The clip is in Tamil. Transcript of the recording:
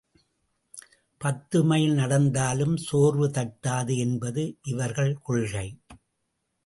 பத்து மைல் நடந்தாலும் சோர்வு தட்டாது என்பது இவர்கள் கொள்கை.